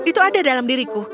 itu ada dalam diriku